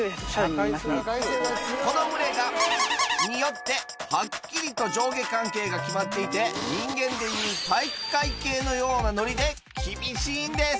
この群れがによってはっきりと上下関係が決まっていて人間でいう体育会系のようなノリで厳しいんです